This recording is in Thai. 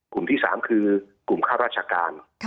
กลุ่มที่๓คือกลุ่มค่าราชการ